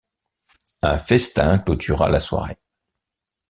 Un festin clôtura la soirée.